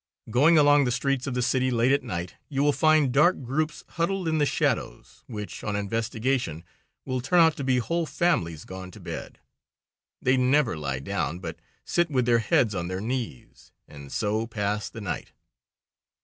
Going along the streets of the city late at night, you will find dark groups huddled in the shadows, which, on investigation, will turn out to be whole families gone to bed. They never lie down, but sit with their heads on their knees, and so pass the night.